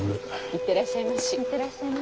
行ってらっしゃいまし。